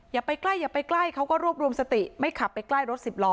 อย่าไปใกล้อย่าไปใกล้เขาก็รวบรวมสติไม่ขับไปใกล้รถสิบล้อ